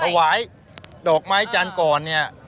ถวายดอกไม้จันทร์ก่อนเนี่ย